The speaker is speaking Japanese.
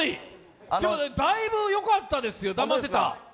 だいぶよかったですよ、だませた。